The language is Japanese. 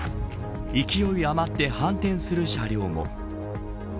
勢い余って反転する車両も。